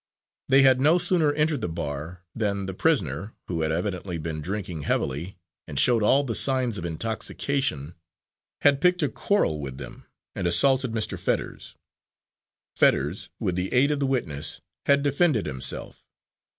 They had no sooner entered the bar than the prisoner, who had evidently been drinking heavily and showed all the signs of intoxication, had picked a quarrel with them and assaulted Mr. Fetters. Fetters, with the aid of the witness, had defended himself.